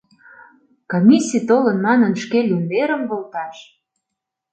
Комиссий толын манын, шке лӱмнерым волташ?